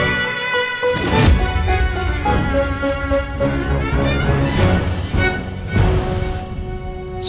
apa yang aku lakukan